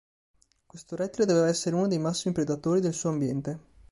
Questo rettile doveva essere uno dei massimi predatori del suo ambiente.